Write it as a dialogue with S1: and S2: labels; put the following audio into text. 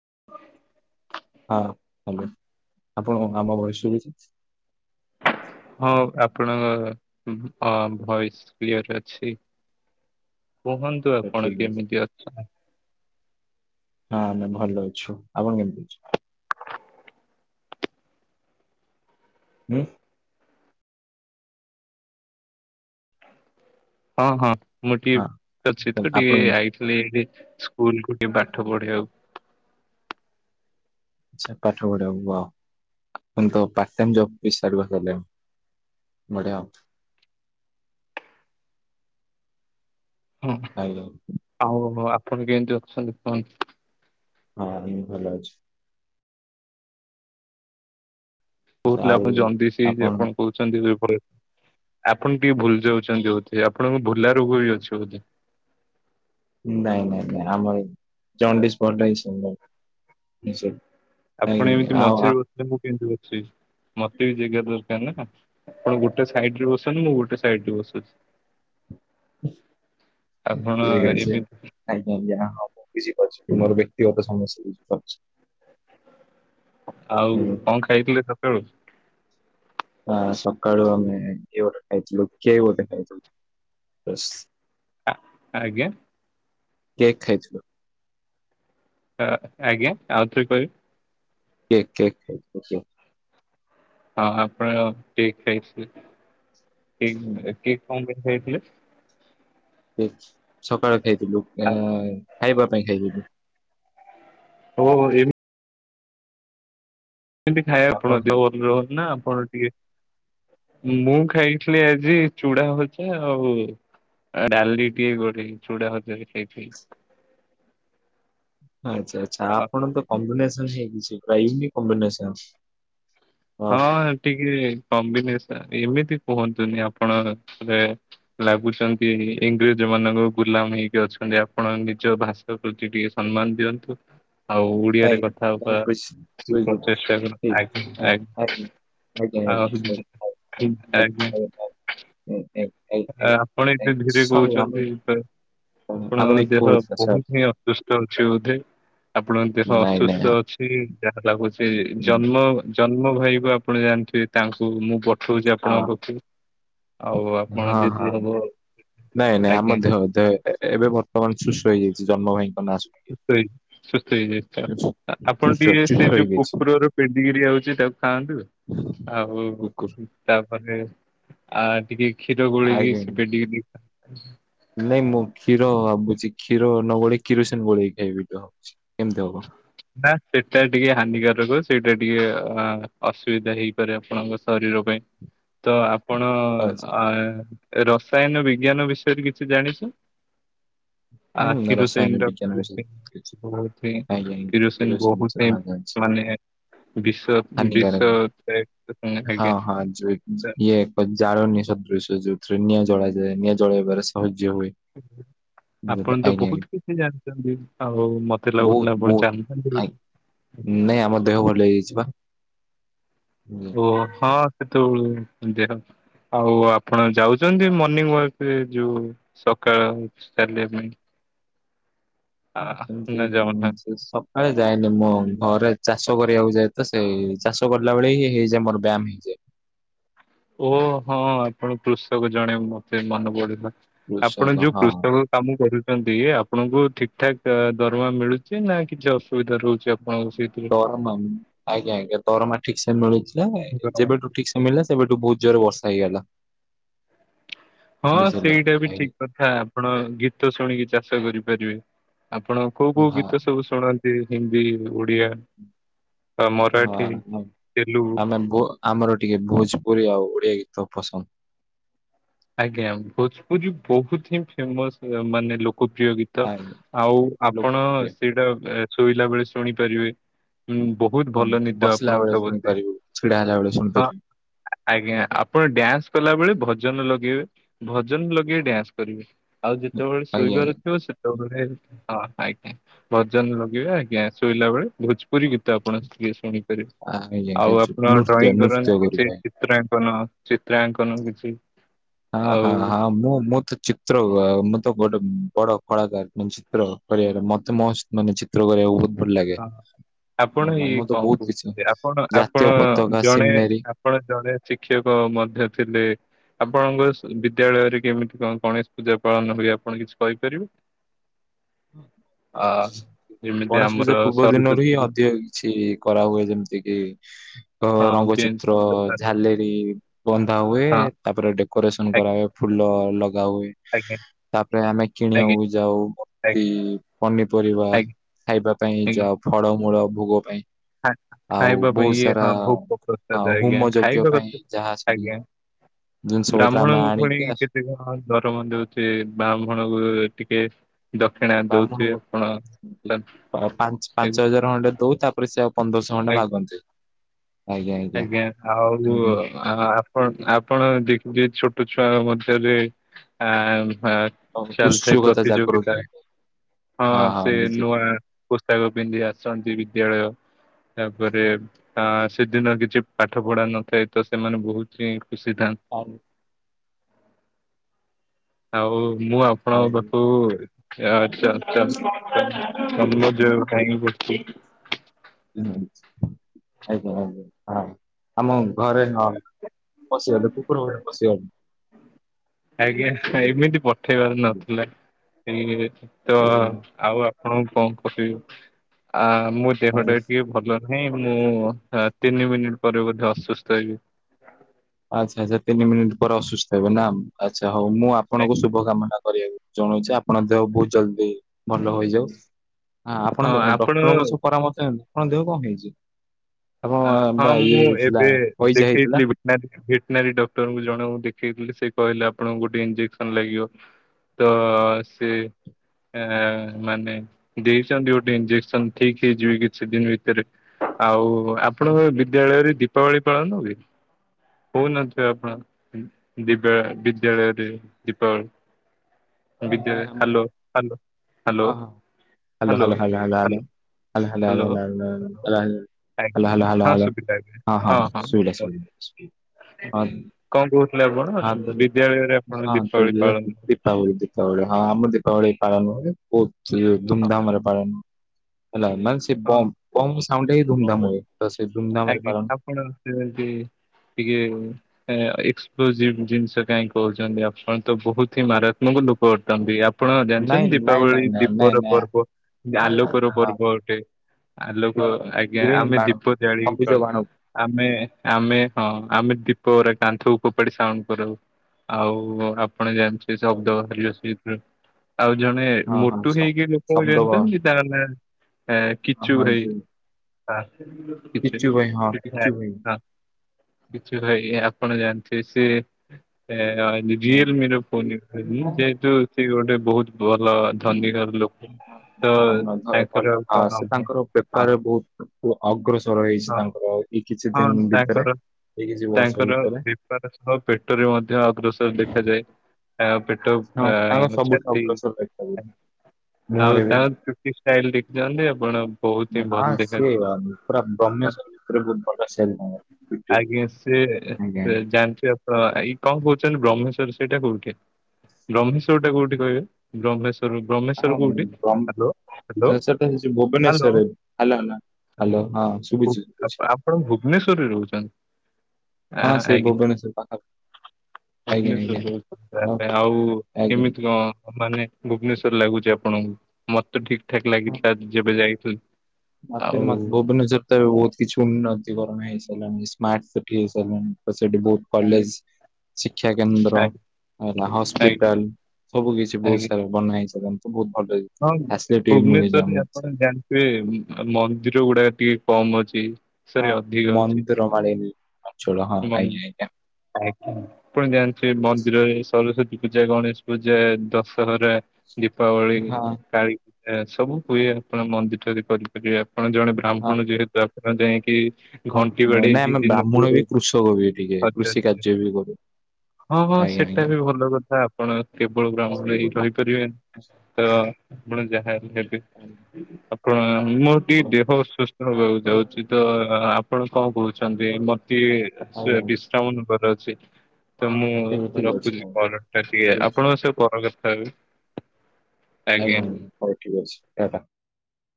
S1: [unintelligible]
S2: ହଁ ହାଲୋ ଆପଣ ଆମ ବୟସ ଶୁଭୁଛି?
S1: ହଁ ଆପଣଙ୍କ ଅ ଭଏସ କ୍ଲିଅର ଅଛି। କୁହନ୍ତୁ
S2: ତ
S1: ଆପଣ
S2: ଠିକ ଅଛି
S1: କେମିତି ଅଛନ
S2: ହଁ ଆମେ ଭଲ ଅଛୁ ଆପଣ କେମିତି ଅଛନ୍ତି? ହଁ।
S1: ହଁ ହଁ ମୁଁ
S2: ହଁ
S1: ଟିକେ ଖଛି
S2: ତ
S1: ଟ
S2: ଆପଣ
S1: ଟିକେ
S2: କେମିତି
S1: ଆଇଥିଲି ଆଇଟି ସ୍କୁଲ କୁ ଟିକେ ପାଠ ପଢିଆକୁ
S2: ଆଛା ପାଠ ପଢ଼ିଆକୁ ୱାଅ ଆପଣ ତ ପାର୍ଟ ଟାଇମ ଜବ ବିସ୍ତାରିତ କଲେଣି। ବଢ଼ିଆ
S1: ହଁ
S2: ଆଜ୍ଞା
S1: ଆଉ ହ ଆପଣ କେମିତି ଅଛନ୍ତି କୁହନ୍ତୁ?
S2: ହଁ ଆମେ ଭଲ ଅଛି।
S1: କହୁଥିଲେ
S2: ଆଉ
S1: ଆପଣ ଜଲଦି ସେ ଆପଣ କହୁଛନ୍ତି [unintelligible] ଆପଣ ଟିକେ ଭୁଲ ଯାଉଛନ୍ତି ବୋଧ ଆପଣଙ୍କୁ ଭୁଲା ରୋଗ ବି ଅଛି ବୋଧେ?
S2: ନାଇଁ ନାଇଁ ନାଇଁ ଆମର ଜଣ୍ଡିସ [unintelligible]
S1: ଆପଣ
S2: ଆଜ୍ଞା
S1: ଏମିତି
S2: ଆଉ
S1: ମଝିରେ
S2: ଆ
S1: [unintelligible] ମୁଁ କେମିତି ବସିବି ମତେ ବି [unintelligible] ନା ଆପଣ ଗୋଟେ ସାଇଡରେ ବସନ୍ତୁ ମୁଁ ଗୋଟେ ସାଇଡରେ ବସୁଛି। ଆପଣ
S2: ଠିକ ଅଛି। ଆଜ୍ଞା ଆଜ୍ଞା ହଁ ମୁଁ ବୁଝିପାରୁଛି କି ମୋର ବ୍ୟକ୍ତିଗତ ସମସ୍ୟା ବୁଝିପାରୁଛି।
S1: ଆଉ
S2: ହୁଁ
S1: କଁ ଖାଇଥିଲେ ସଖାଳୁ?
S2: ଆ ସକାଳୁ ଆମେ ଏ ଗୋଟେ ଖାଇଥିଲୁ କେକ ଗୋଟେ ଖାଇଥିଲୁ।
S1: ଆ ଆଜ୍ଞା।
S2: କେକ୍ ଖାଇଥିଲୁ।
S1: ଆ ଆଞା ଆଉ ଥରେ [unintelligible]
S2: କେକ କେକ
S1: ହଁ ଆପଣ କେକ ଖାଇ [unintelligible] କେକ କଁ ପାଇଁ ହେଇଥିଲେ?
S2: ସକାଳ ଖାଇଥିଲୁ ଏଁ
S1: ଆ-
S2: ଖାଇବା ପାଇଁ ଖାଇଥିଲୁ।
S1: ଓହୋ ଏମ ସେମତି ଖାଇବେ ଆପଣ ଦେହ ଭଲ ରହୁନି ନା ଆପଣ ଟିକେ ମୁଁ ଖାଇଥିଲି ଆଜି ଚୁଡା ଭଜା ଆଉ ଡାଲି ଟିକେ ଗୋଲେଇ ଚୁଡା ଭଜାରେ ଖାଇଥିଲି।
S2: ଆଚ୍ଛା ଆଚ୍ଛା
S1: ଆ-
S2: ଆପଣ ତ କମ୍ବିନେସନ ହେଇଛି [unintelligible] କମ୍ବିନେସନ।
S1: ହଁ ଟିକେ କମ୍ବିନେସ ଏମିତି କୁହନ୍ତୁନି ଆପଣ ରେ ଲାଗୁଛନ୍ତି ଇଂରେଜ ମାନଙ୍କ ଗୁଲାମ ହେଇକି ଅଛନ୍ତି ଆପଣ ନିଜ ଭାଷା ପ୍ରତି ଟିକେ ସମ୍ମାନ ଦିଅନ୍ତୁ। ହୋଉ ଓଡିଆରେ
S2: ଆଜ୍ଞା
S1: କଥା
S2: ତମେ
S1: ହବା
S2: ବୁଝି
S1: ଟିକେ ପ୍ରଚେଷ୍ଟା କର ଆଜ୍ଞା ଆଜ୍ଞା।
S2: ଆଗ୍
S1: ଆହୁରି
S2: ଉଁ ଆଜ୍ଞା ଆଜ୍ଞା [unintelligible]
S1: ଆ ଆପଣ ଏତେ
S2: ଆଜ୍ଞା
S1: ଧୀରେ
S2: ସରି ଆମ
S1: କୋହୁଚନ୍ତି
S2: ଆମର
S1: ଆପଣଙ୍କ
S2: ଇକୋ
S1: ଦେହ
S2: ହଉଥିଲା ସାର୍
S1: ବୋହୁତ ହିଁ ଅସୁସ୍ଥ ଅଛି ବୋଧେ? ଆପଣଙ୍କ ଦେହ
S2: ନାଇଁ ନାଇଁ
S1: ଅସୁସ୍ଥ ଅଛି ଯାହା ଲାଗୁଛି।
S2: ହଁ।
S1: ଜନ୍ମ ଜନ୍ମ ଭାଇକୁ ଆପଣ ଜାଣିଥି ସେ ତାଙ୍କୁ ମୁଁ ପଠୋଉଚି ଆପଣଙ୍କ
S2: ହଁ
S1: ପାଖକୁ ଆଉ ଆପଣ
S2: ହଁ ହଁ
S1: ଯଦି ହବ
S2: ନାଇଁ ନାଇଁ ଆମ
S1: ଆଜ୍ଞା
S2: ଦେହ ଦେ ଏବେ ବର୍ତ୍ତମାନ ସୁସ୍ଥ ହେଇଯାଇଛି ଜନ୍ମ ଭାଇଙ୍କ ନାଁ ଶୁଣିକି।
S1: ସୁସ୍ଥ ହେଇ ସୁସ୍ଥ ହେଇଯାଇଥିବ। ଆ-ଆପଣ
S2: ଚୁସ
S1: ଟିକେ
S2: ଚୁସ
S1: ସେ ଯୋଉ
S2: ହେଇଯାଇଛି
S1: କୁକୁରର ପେଣ୍ଡିକିରି ଆଉଚି ତାକୁ ଖାଆନ୍ତୁ। ଆଉ
S2: କୁକୁର
S1: ତାପରେ ଆ ଟିକେ କ୍ଷୀର ଗୋଲେଇକି
S2: ଆଜ୍ଞା।
S1: ସେପେ ଟିକେ
S2: ନାଇଁ ମୁଁ କ୍ଷୀର ଭାବୁଛି କ୍ଷୀର ନ ଗୋଳେଇ କ୍ଷୀର ସେନ ଗୋଳେଇକି ଖାଇବି ଭାବୁଛି କେମିତି ହବ
S1: ନା ସେଟା ଟିକେ ହାନିକାରକ ସେଇଟା ଟିକେ ଅ ଅସୁବିଧା ହେଇପାରେ ଆପଣଙ୍କ ଶରୀର ପାଇଁ ତ ଆପଣ
S2: ଆଚ୍ଛା
S1: ରସାୟନ ବିଜ୍ଞାନ ବିଷୟରେ କିଛି ଜାଣିଛୁ
S2: ହୁଁ
S1: ଆକ୍ଷି
S2: ରସାୟନ
S1: ହୁସନା
S2: ବିଜ୍ଞାନ ବିଷୟ ଆଜ୍ଞା
S1: କିରୋସିଂ
S2: କିରୋସିନ
S1: ବହୁତ ହିଁ
S2: ହଁ ଜାଣିଛି
S1: ମାନେ ବିଶ
S2: ହାନିକାରକ ହଁ
S1: ବିଷଆଜ୍ଞା
S2: ହଁ ଦୃଶ୍ୟ ଯୁଥିରେ ନିଆଁ ଜଳାଯାଏ ନିଆଁ ଜଳାଇବାରେ ସାହାଯ୍ୟ ହୁଏ
S1: ଆପଣ ତ
S2: ଆଜ୍ଞା
S1: ବହୁତ କିଛି ଜାଣିଛନ୍ତି ଆଉ ମତେ
S2: ବହୁତ
S1: ଲାଗୁଥିଲା ଆପଣ
S2: ବହୁତ ଆ
S1: ଜାଣିଛନ୍ତି
S2: ନାଇଁ ଆମ ଦେହ ଭଲ ହେଇଯାଇଛି ବା
S1: ଓ ହଁ ସେତ ଦେ ଆଉ ଆପଣ ଯାଉଛନ୍ତି ମର୍ଣିିଂ ୱାକରେ ଯୋଉ ସକାଳ ଚାଲିବା ପାଇଁ। ଆ
S2: ହଁ
S1: ନା ଜଗନ୍ନାଥ
S2: ସେମିତି ସେ ସକାଳେ ଯାଇନି ମୁଁ ଘରେ ଚାଷ କରିବାକୁ ଯାଏ ତ ସେଇ ଚାଷ କଲା ବେଳେ ହି ହେଇଯାଏ ମୋର ବ୍ୟାୟାମ ହେଇଯାଏ
S1: ଓ ହଁ ଆପଣ କୃଷକ ଜଣେ ମତେ ମନେ ପଡିଲ ଆପଣ
S2: କୃଷକ
S1: ଯୋଉ
S2: ହଁ
S1: କୃଷକ କାମ କରୁ ଆପଣଙ୍କୁ ଠିକ ଠାକ୍ ଦରମା ମିଳୁଛି ନା କିଛି ଅଧା
S2: ତୋର ଆନ୍ୟତୋରମା ଠିକ ସମୟ ମିଳୁଥିଲା ଯେବେଠୁ ଠିକ ସମୟ ମିଳିଲା ସେବେଠୁ ବହୁତ ଜୋରରେ ବର୍ଷା ହେଇଗଲା
S1: ହଁ
S2: ବୁଝିଲେ।
S1: ସେଇଟା ବି
S2: ଆଜ୍ଞା
S1: ଠିକ କଥା ଆପଣ ଗୀତ ଶୁଣିକି ଚାଷ କରିବେ। ଆପଣ କୋଉ କୋଉ ଗୀତ ସବୁ ଶୁଣନ୍ତି ହିନ୍ଦୀ ଓଡିଆ ବା
S2: ହଁ
S1: ମରାଠୀ ତେଲୁଗୁ?
S2: ଆମେ ଆମର ଟିକେ ଭୋଜପୁରୀ ଆଉ ଓଡିଆ ଗୀତ ପସନ୍ଦ
S1: ଆଜ୍ଞା ଭୋଜପୁର ବହୁତ ହିଁ ଫେମସ ମାନେ ଲ ଖୁବ ପ୍ରିୟ ଗୀତ
S2: ଆ
S1: ଆଉ ଆପଣ
S2: ଲୋକପ୍ରିୟ।
S1: ସେଇଟା ଶୋଇଲା ବେଳେ ଶୁଣିପାରିବେ ହୁଁ ବହୁତ
S2: ହଁ
S1: ଭଲ ନିଦ
S2: ବସିଲା ବେଳେ
S1: ଆପଣଙ୍କଥା ବସି
S2: ଶୁଣିପାରିବୁ ଛିଡା ହେଲା ବେଳେ
S1: ହଁ
S2: ଶୁଣିପାରିବୁ
S1: ଆଜ୍ଞା ଆପଣ ଡ୍ୟାନ୍ସ କଲା ବେଳେ ଭଜନ ଲଗେଇବେ ଭଜନ ଲଗେଇ ଡ୍ୟାନ୍ସ କରିବେ। ଆଉ ଯେତେବେଳେ
S2: ଆଜ୍ଞା
S1: ଶୋଇବାର
S2: ଆଜ୍ଞା।
S1: ଥିବ ସେତେବେଳେ ହଁ ଆଜ୍ଞା ଭଜନ ଲଗିବେ ଆଜ୍ଞା ଶୋଇଲା ବେଳେ ଭଜ ପୁରୀ ଗୀତ ଆପଣ ଟଏ ଶୁଣିପାରିବେ
S2: ଆଜ୍ଞା
S1: ଆଉ
S2: ଆଜ୍ଞା
S1: ଆପଣ
S2: ନୃତ୍ୟ
S1: ଡ୍ରଇଂ
S2: ନୃତ୍ୟ
S1: କରନ୍ତି କିଛି
S2: କରିବୁ
S1: ଚିତ୍ରାଙ୍କନ ଚିତ୍ରାଙ୍କନ କିଛି
S2: ହଁ ହଁ ହଁ ମୁଁ ମୁଁ ଚିତ୍ର ମୁଁ ତ ଗୋଟେ ବଡ କଳାକାର ମାନେ ଚିତ୍ର କରିବାରେ ମତେ ମ ମାନେ ଚିତ୍ର କରିବାକୁ ଵହ। ଭଲ ଲାଗେ
S1: ଆଉ ଆପଣ ଇ କଣ
S2: ବହୁତ କିଛି
S1: କହୁଛନ୍ତି ଆପଣ
S2: ଜାତୀୟ
S1: ଆପଣ
S2: ପତାକା
S1: ଜଣେ
S2: ସିନେରୀ
S1: ଆପଣ ଜଣେ ଶିକ୍ଷକ ମଧ୍ୟ ଥିଲେ ଆପଣଙ୍କ ବିଦ୍ୟାଳୟରେ କେମତି କଣ ଗଣେଶ ପୂଜା ପାଳନ ହୁଏ ଆପଣ କିଛି କହିପାରିବେ ହ ଯେମିତି
S2: ଗଣେଶ
S1: ଆମମ
S2: ପୂଜା ପୂର୍ବ ଦିନରୁ ହିଁ ଅଧିକ କିଛି କରାହୁଏ ଯେମିତି କିି ଅ
S1: ହଁ ବେଞ୍ଚ
S2: ରଙ୍ଗଚିତ୍ର
S1: ହଁ
S2: ଝାଲେରି ବ ଥା ହୁଏ
S1: ଆଜ୍ଞା
S2: ତାପରେ ଡେକୋରେସନ କରା ହଏ ଫୁଲ ଲଗା ହୁଏ
S1: ଆଜ୍ଞା
S2: ତାପରେ ଆମେ
S1: ଆଜ୍ଞା
S2: କିଣିବାକୁ ଯାଉ
S1: ଆଜ୍ଞା
S2: ପନିପରିବା
S1: ଆଜ୍ଞା
S2: ଖାଇବା ପାଇଁ
S1: ଆଜ୍ଞା।
S2: ଯାଉ ଫଳ ମୂଳ ଭୋଗ ପାଇଁ ଆଉ
S1: ଖାଇବା ପାଇଁ
S2: ବହୁତ
S1: ଇଏ
S2: ସାରା
S1: ହଁ ଭହୁା
S2: ଆଉ
S1: ଆଜ୍ା
S2: ହୋମ ଯଜ୍ଞ
S1: ଖାଇବାେ
S2: ପାଇଁ ଯାହା ସବୁ
S1: ଆଜ୍ଞା
S2: ଜିନିଷ ପତ୍ର ଆମେ
S1: ବ୍ରାହ୍ମଣଙ୍କୁ ଭଣି
S2: ଆଣିକି ଆସୁ
S1: କେତେ କଣ ଧରମ ଦଉଛେ ବ୍ରାହ୍ମଣକୁ ଟିକେ ଦକ୍ଷିଣା
S2: ବ୍ରାହ୍ମଣ
S1: ଦଉଥିବେ ଆପଣ
S2: ପା ପାଞ୍ଚ
S1: ଆଜ୍ଞା
S2: ହଜାର ଖଣ୍ଡେ ଦଉଛି ତାପରେ ସେ ଆଉ ପନ୍ଦରଶହ ଘଟେ ମାଗନ୍ତି
S1: ଆଜ୍ଞା ଆଉ
S2: ଆଜ୍ଞା।
S1: ଆପଣ ଆପଣ ଦେଖିବ ଛୋଟ ଛୋ ମଧ୍ୟରେ ଆ
S2: ହଁ,
S1: ଚାଲଥ
S2: ଉତ୍ସୁକତା ଜାଗ୍ରତ
S1: ପ୍ରତିଯୋଗତା
S2: ହୁଏ
S1: ହଁ ସେ ନୂଆ ପୋଷକ ପିନ୍ଧି ଆସୁଛନ୍ତି ବିଦ୍ୟାଳୟ ତାପରେ ଅ ସେ ଦିନ କିଛି ପାଠ ପଢା ନଥାଏ ତ ସେମାନେ ବହୁତ ହିଁ ଖୁସି ଥାନ୍ତି।
S2: ଆଉ
S1: ଆଉ ମୁଁ
S2: ଆଉ,
S1: ଆପଣଙ୍କ
S2: ହୁଁ,
S1: ପାଖକୁ [unintelligible] [inaudible]
S2: ଆଜ୍ଞା ଆଜ୍ଞା ହଁ ଆମ ଘରେ ହ ପଶିଗଲେ କୁକୁର ଘରେ ପସିଗଲେ
S1: ଆଜ୍ଞା ଏମିତି ପଠେଇବାର ନଥିଲା ଏଇ ତ
S2: ଆଜ୍ଞା।
S1: ଆଉ ହଁ କଣ କରିବି ଆ ମୋ ଦେହ ଟା ଟିକେ ଭଲ ନାହିଁ ମୁଁ ହଁ ତିନି ମିନିଟ୍ ପରେ ବୋଧ ଅସୁସ୍ଥ ହେବି
S2: ଆଚ୍ଛା ଆଚ୍ଛା ତିନି ମିନିଟ୍ ପରେ ଅସୁସ୍ଥ ହେବେ ନା ଆଚ୍ଛା ହଉ ମୁଁ ଆପଣଙ୍କୁ
S1: ଖାଇକି।
S2: ଶୁଭ କାମନା କରିବାକୁ ଜଣଉଛି ଆପଣ ଦେହ ବହୁତ ଜଲଦି ଭଲ ହେଇଯାଉ। ହଁ ଆପଣ ଡକ୍ଟରଙ୍କ ସବୁ ପରାମର୍ଶ ନନ୍ତୁ ଆପଣ ଦେହ କଣ ହେଇଛି?
S1: ଆ,
S2: ଆପଣଙ୍କ
S1: ହଁ
S2: ବା ଇଏ ହେଇଥିଲା ହୋଇଯା ହେଇଥିଲା।
S1: ଭିକ୍ଟିନାରୀ ଡଟର ଜଣ ଦେଖେଇ ସେ କହିଲେ ଆପଣଙ୍କୁ ଗୋଟେ ଇଞ୍ଜେସେନ୍ ଲାଗିବ। ତ ସେ ଆ ମାନେ ଦେଇଛନ୍ତି ଗୋଟେ ଇଞ୍ଜେକ୍ସନ ଠିକ ହେଇଯିବି କିଛି ଦିନ ଭିତରେ ଆଉ ଆପଣଙ୍କ ବିଦ୍ୟାଳୟରେ ଦୀପାବଳି ପାଳନ ହୁଏ? ହଉନଥିବେ ଆପଣ ଦିବା ବିଦ୍ୟାଳୟରେ ଦୀପାବଳି।
S2: ହଁ
S1: ବିଦ୍ୟା
S2: ନାଇଁ ଆମ
S1: ହ୍ୟାଲୋ ହଲୋ ହ୍ୟାଲୋ।
S2: ହଁ ହଁ। Hello
S1: hello
S2: hello hello hello hello
S1: hello
S2: hello
S1: hello
S2: hello hello hello
S1: ଆଜ୍ଞା
S2: ହଲା ହଲା
S1: ହଁ
S2: ହଲା
S1: ସୁବିଲା ଏବେ
S2: ହଁ ହଁ ଶୁଭିଲା
S1: କୁହ।
S2: ଶୁଭିଲା ହଁ।
S1: କଣ କହୁଥିଲେ ଆପଣ
S2: ହଁ ତ
S1: ବିଦ୍ୟାଳୟରେ ଆପଣ
S2: ହଁ
S1: ଦୀପାବଳି ପାଳନ
S2: ଦୀପାବଳି ଦୀପାବଳି ହଁ ଆମର ଦୀପାବଳି ପାଳନ ହୁଏ। ବହୁତ
S1: ହଁ
S2: ଧୁମଧାମରେ ପାଳନ ହେଲା ମାନେ ସେ
S1: ହଁ
S2: ବମ୍ ବମ୍ ସାଉଣ୍ଡ ହେଇ ଧୁମଧାମ ରେ। ତ ସେ ଧୁମଧାମ
S1: ଆଜ୍ଞା
S2: ପାଳନ
S1: ଆପଣ [unintelligible] ଟିକେ ଜିନିଷ କାଇହିଁ କହୁଛନ୍ତି ଆପଣ ତ ବହୁତ ହିଁ ମାରାତ୍ମକ ଲୋକ ଅଟନ୍ତି। ଆପଣ
S2: ନାଇଁ
S1: ଜାଣିଛନ୍ତି
S2: ନାଇଁ ନାଇଁ
S1: ଦୀପାବଳି
S2: ନାଇଁ ନାଇଁ
S1: ଦୀପର
S2: ନାଇଁ
S1: ପର୍ବ ଆଲୋକର
S2: ହଁ
S1: ପର୍ବ ଅଟେ। ଆଲୋକ ଆଜ୍ଞା
S2: ଗ୍ରୀନ୍
S1: ଆମେ
S2: ବାଣ
S1: ଦୀପ ଜାଳିକି
S2: ସବୁଜ
S1: ପାଳୁଛୁ
S2: ବାଣ
S1: ଆମେ ଆମେ ହଁ। ଆମେ ଦୀପ ଉରା କାନ୍ଥ କୁ ଫୋପାଡି ସାଉଣ୍ଡ କରାଉ। ଆପଣ ଜାଣିଥିବେ [unintelligible] ଯେମ ଶବ୍ଦ ହରଛି ଆଉ ଜଣେ
S2: ହଁ ହଁ
S1: ମୋଟୁ
S2: ସ
S1: ହେଇକି ଲୋକକୁ
S2: ଶବ୍ଦ ବ
S1: ଜାଣିଛନ୍ତି ତାହେଲେ ଏ କିଛୁ
S2: ହଁ
S1: ହେଇ
S2: ଯୋଉ
S1: ଆ କିଛିା
S2: ପିଚୁ ଭାଇ
S1: ହଁ
S2: ପିଚୁ
S1: [unintelligible]
S2: ଭାଇ
S1: କିଛି ଭାଇ ଆପଣ ଜାଣିଥିବେ ସେ
S2: ହଁ।
S1: ରିଏଲମିର ଫୋନ୍
S2: ଭଲ।
S1: ଯେହେତୁ ସେ ଗୋଟେ ବହୁତ ଭଲ ଧନୀଘର ଲୋକ
S2: [unintelligible]
S1: ତ ତାଙ୍କର ଆଉ କଣ
S2: ସେ
S1: ହବ
S2: ତାଙ୍କର
S1: ହଁ
S2: ବେପାରରେ ବହୁତ ଅଗ୍ରସର ର ହେଇଛି
S1: ହଁ
S2: ତାଙ୍କର ଏଇ କିଛି
S1: ହଁ
S2: ଦିନ ଭିତରେ
S1: ତାଙ୍କର
S2: ଏଇ କିଛି ବର୍ଷ
S1: ତାଙ୍କର
S2: ଭିତରେ
S1: ବେପାର ସହ ପେଟରେ ମଧ୍ୟ ଅଗ୍ରସର ଦେଖାଯାଏ। ପେ
S2: ହଁ
S1: ଟୋପା
S2: ତାଙ୍କ
S1: ଆ
S2: ସବୁଠି
S1: ଛାତି
S2: ଅଗ୍ରସର ଦେଖାଯାଉଛି
S1: ଆଉ
S2: ମୁହଁରେ ବି
S1: ତାଙ୍କ ଚୁଟି ଷ୍ଟାଇଲି ଦେଖିଲା ମାନେ ଆପଣ ବହୁତ ହିଁ ଭଲ ଦେଖ
S2: ଭୁବନେଶ୍ୱର ଭିତରେ ବହୁତ ଭଲ ସେଲ୍ ହବ।
S1: ଆଜ୍ଞା ସିଏ
S2: ଆଜ୍ଞା।
S1: ଜାଣିଥିବେ ଆପଣ ଏଇ କଣ କହୁଛନ୍ତି ବ୍ରହ୍ମେଶ୍ର ସେଇଟା କୋଉଠି ବ୍ରହ୍ମେଶ୍ଵର ଟା କୋଉଠି କହିବେ ବ୍ରହ୍ମେଶର
S2: ବ୍ର
S1: ହ୍ୟାଲୋ
S2: [unintelligible] ହେଇ
S1: ହ୍ୟାଲୋ
S2: ଭୁବନେଶ୍ଵରରେ ହେଲା ନା ହ୍ୟାଲୋ ହଁ। ଶୁଭୁଛି ଶୁଭୁଛି
S1: ଆପଣ ଭୁବନେଶ୍ଵରରେ ରହୁଛନ୍ତି। ଆ,
S2: ହଁ ସେଇ ଭୁବନେଶ୍ୱର ପାଖ ପା
S1: ଭୁବନେଶ୍ଵର ଯ ପାଇଁ ଆଉ
S2: ଆଜ୍ଞା।
S1: କେମିତି କଣ ମାନେ ଭୁବନେଶ୍ଵର ଲାଗୁଛି ଅପ୍ ଆପଣଙ୍କୁ ମତେ ଠିକ ଠାକ୍ ଲାଗିଥିଲା ଯେବେ ଯାଇଥିଲି।
S2: ମାତେ
S1: ଆଉ
S2: ମାତେ ଭୁବନେଶ୍ଵର ତ ଏବେ ବହୁତ କିଛି ଉନ୍ନତିକରଣ ହେଇସାରିଲାଣି ସ୍ମାର୍ଟ ସିଟି ହେଇସାରିଲାଣି ତ ସେଇଠି ବହୁତ କଲେଜ ଶିକ୍ଷା
S1: ଆଜ୍ଞା
S2: କେନ୍ଦ୍ର ହେଲା
S1: ଆଜ୍ଞା
S2: ହସ୍ପିଟାଲ ସବୁ କିଛି
S1: ଆଜ୍ଞା।
S2: ବହୁତ ସାରା ବନା ହୋଇସାରିଲାଣି।
S1: ହଁ ଭୁବନେଶ୍ଵରରେ
S2: ଆମକୁ ସେ
S1: ଆପଣ ଜାଣିଥିବେ? ମନ୍ଦିର ଗୁଡା ଟିକେ କମ ଅଛି
S2: ହଁ
S1: ସରୀ ଅଧିକ ଅଛି
S2: ମନ୍ଦିରମାଳିନୀ ଅଞ୍ଚଳ ହଁ ଆଜ୍ଞା ଆଜ୍ଞା।
S1: ଆପଣ ଜାଣିଥିବେ ମନ୍ଦିର ଏସବୁ ସରସ୍ଵତୀ ପୂଜା ଗଣେଶ ପୂଜା ଦଶହରା ଦୀପାବଳି
S2: ହଁ
S1: କାଳି ଏରା ସବୁ ହୁଏ ଆପଣ ମନ୍ଦିର ଠାରେ କରିପାରିବେ ଆପଣ ଜଣେ
S2: ହଁ ହଁ
S1: ବ୍ରାହ୍ମଣ ଯେହେତୁ ଆପଣ ଯାଇକି ଘଣ୍ଟି ବାଡେଇକି ଦିନ
S2: ମୁଣ ବି କୃଷକ ବି ଟିକେ କୃଷି କାର୍ଯ୍ୟ ବି କରୁ
S1: ହଁ ହଁ
S2: ଆଜ୍ଞା
S1: ସେଟା
S2: ଆଜ୍ଞା।
S1: ବି ଭଲ କଥା ଆପଣ କେବଳ ବ୍ରାହ୍ମଣ ହେଇ
S2: ଆଜ୍ଞା
S1: ରହିପାରିବେନି। ତ ଆପଣ ଯାହା ହେବେ ଆପଣ ମୋର ଟିକେ ଦେହ ସୁସ୍ଥ ହବାକୁ ଯାଉଛି ତ ଆ ଆପଣ କଣ କହୁଛନ୍ତି ମତେ ଟିକେ ବିଶ୍ରାମ ନବାର ଅଛି। ତ ମୁଁ
S2: ଠିକ ଅଛି
S1: ରଖୁଛି କଲର ଟା ଟିକେ ଆପଣଙ୍କ ସେହ ପରେ କଥା ହେବି।
S2: ହ
S1: ଆଜ୍ଞା।
S2: ହଉ ଠିକ ଅଛି କାଟ।